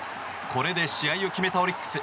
これで試合を決めたオリックス。